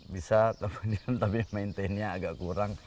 bisa kemudian tapi maintenenya agak kurang